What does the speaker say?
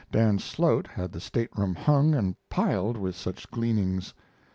Dan Slote had the stateroom hung and piled with such gleanings.